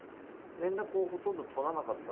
連絡をほとんど取らなかったんですけど